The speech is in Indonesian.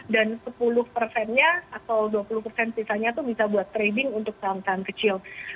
dan sepuluh dua puluh sisanya tuh bisa buat trading untuk saham saham kecil